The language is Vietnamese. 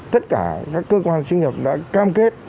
tất cả các cơ quan sinh nhập đã cam kết